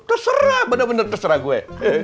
terserah bener bener terserah gue